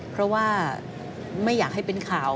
เพราะว่าไม่อยากให้เป็นข่าว